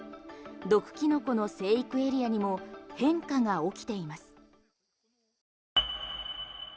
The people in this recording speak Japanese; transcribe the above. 毒キノコの生育エリアにも変化が起きています。